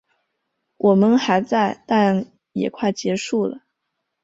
我们还在，但也快结束了